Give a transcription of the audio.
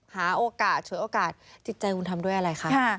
หาโอกาสฉวยโอกาสจิตใจคุณทำด้วยอะไรคะ